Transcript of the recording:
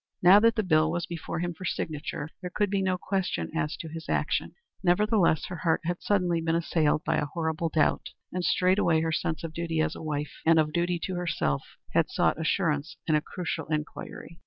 Now that the bill was before him for signature there could be no question as to his action. Nevertheless her heart had suddenly been assailed by a horrible doubt, and straightway her sense of duty as a wife and of duty to herself had sought assurance in a crucial inquiry.